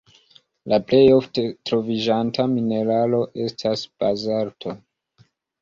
La plej ofte troviĝanta mineralo estas bazalto.